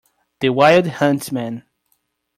The wild huntsman.